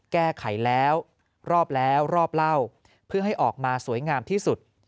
แก้ไขแล้วรอบแล้วรอบเล่าเพื่อให้ออกมาสวยงามที่สุด